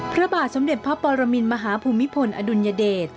พระบาทสมเด็จพระปรมินมหาภูมิพลอดุลยเดช